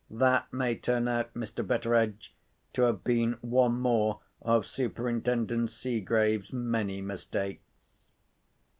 That may turn out, Mr. Betteredge, to have been one more of Superintendent Seegrave's many mistakes."